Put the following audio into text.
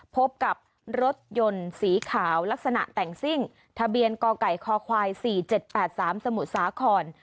พบกับรถยนต์สีขาวลักษณะแต่งซิ่งทะเบียนกไก่คควาย๔๗๘๓สมุทรสาคร